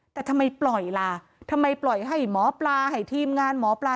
แต่ทำไมปล่อยล่ะทำไมปล่อยให้หมอปลาให้ทีมงานหมอปลา